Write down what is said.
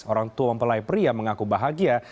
orang tua mempelai pria mengaku bahagia